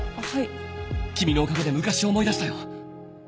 君のおかげで昔を思い出したよ。